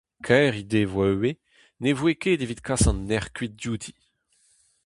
Kaer he devoa ivez, ne voe ket evit kas an nec'h kuit diouti.